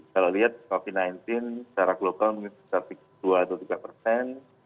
kalau lihat covid sembilan belas secara global mungkin sekitar dua atau tiga persen